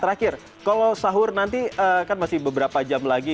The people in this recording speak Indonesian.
terakhir kalau sahur nanti kan masih beberapa jam lagi